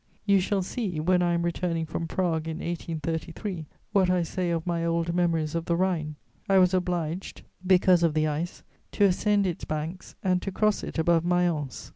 You shall see, when I am returning from Prague in 1833, what I say of my old memories of the Rhine: I was obliged, because of the ice, to ascend its banks and to cross it above Mayence.